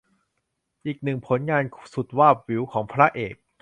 อีกหนึ่งผลงานสุดวาบหวิวของพระเอก